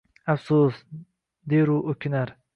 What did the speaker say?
Afsus!» deru o’kinar.